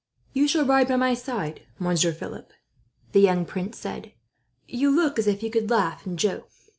"You shall ride by my side, Monsieur Philip," the young prince said. "You look as if you could laugh and joke.